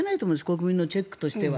国民のチェックとしては。